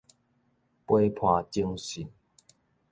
陪伴偵訊